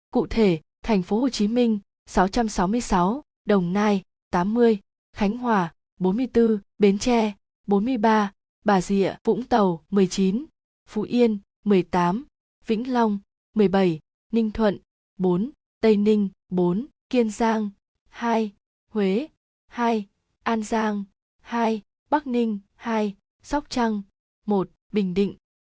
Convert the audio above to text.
cụ thể thành phố hồ chí minh sáu trăm sáu mươi sáu đồng nai tám mươi khánh hòa bốn mươi bốn bến tre bốn mươi ba bà dịa vũng tàu một mươi chín phú yên một mươi tám vĩnh long một mươi bảy ninh thuận bốn tây ninh bốn kiên giang hai huế hai an giang hai bắc ninh hai sóc trăng một bình định một